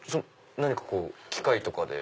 何か機械とかで？